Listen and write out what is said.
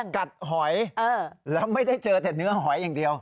หอยแล้วไม่ได้เจอแต่เนื้อหอยอย่างเดียว